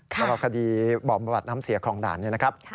กับคดีบอบประบัติน้ำเสียครองด่านนี่นะครับ